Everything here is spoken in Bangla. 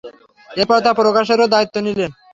এরপর তা প্রকাশেরও দায়িত্ব নিলেন।